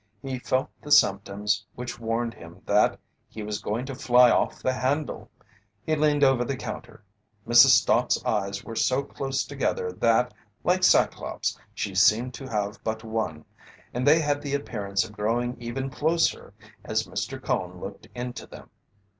He felt the symptoms which warned him that he was going to "fly off the handle." He leaned over the counter. Mrs. Stott's eyes were so close together that, like Cyclops, she seemed to have but one, and they had the appearance of growing even closer as Mr. Cone looked into them.